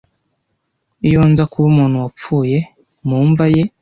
iyo nza kuba umuntu wapfuye mu mva ye